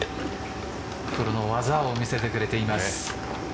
プロの技を見せてくれています。